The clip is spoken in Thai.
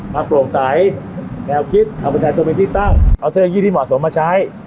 โปร่งใสแนวคิดเอาประชาชนเป็นที่ตั้งเอาเทคโนโลยีที่เหมาะสมมาใช้